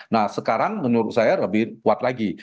nah sekarang menurut saya lebih kuat lagi